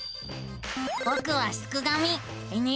ぼくはすくがミ。